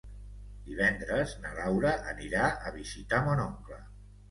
Divendres na Laura anirà a visitar mon oncle.